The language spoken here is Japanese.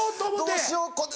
どうしようこれ。